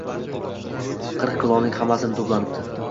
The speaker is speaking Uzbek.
Qirq kulolning hammasi to‘planibdi